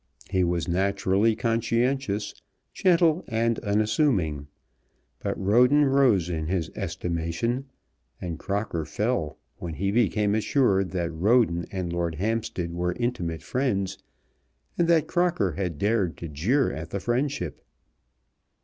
He was naturally conscientious, gentle, and unassuming. But Roden rose in his estimation, and Crocker fell, when he became assured that Roden and Lord Hampstead were intimate friends, and that Crocker had dared to jeer at the friendship.